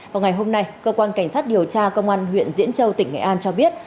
vào ngày hôm nay cơ quan cảnh sát điều tra công an huyện diễn châu tỉnh nghệ an cho biết